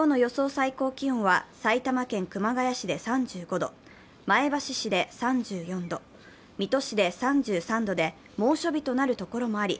最高気温は埼玉県熊谷市で３５度、前橋市で３４度、水戸市で３３度で猛暑日となるところもあり